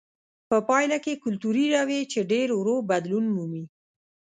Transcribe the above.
په پایله کې کلتوري رویې چې ډېر ورو بدلون مومي.